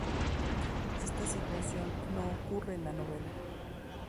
Esta situación no ocurre en la novela.